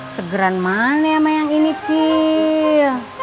segeran mana ya sama yang ini cil